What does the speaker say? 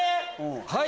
はい！